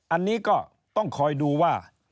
อันนี้ก็ต้องคอยดูว่า